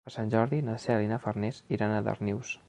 Per Sant Jordi na Cel i na Farners iran a Darnius.